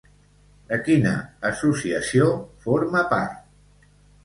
De quina associació forma part?